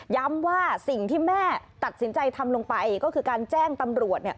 ว่าสิ่งที่แม่ตัดสินใจทำลงไปก็คือการแจ้งตำรวจเนี่ย